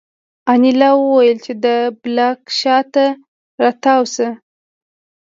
انیلا وویل چې د بلاک شا ته را تاو شه